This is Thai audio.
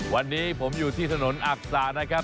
วันนี้ผมอยู่ที่ถนนอักษานะครับ